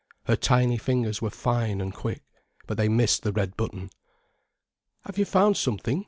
Her tiny fingers were fine and quick, but they missed the red button. "Have you found something?"